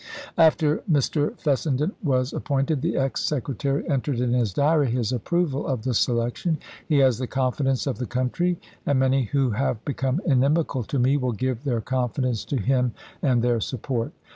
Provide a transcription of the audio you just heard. After Mr. Fessenden was ap pointed, the ex Secretary entered in his diary his approval of the selection :" He has the confidence of the country, and many who have become inimical to me will give their confidence to him and their support.